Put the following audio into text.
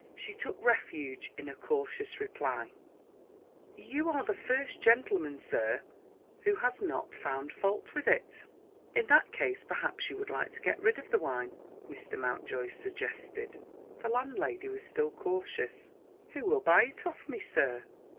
She took refuge in a cautious reply: "You are the first gentleman, sir, who has not found fault with it." "In that case, perhaps you would like to get rid of the wine?" Mr. Mountjoy suggested. The landlady was still cautious. "Who will buy it of me, sir?"